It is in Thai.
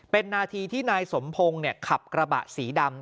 เป็นนาทีที่นายสมพงศ์ขับกระบะสีดำ